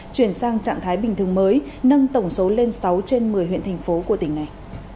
chuyển sang trạng thái bình thường mới nâng tổng số lên sáu trên một mươi huyện thành phố của tỉnh này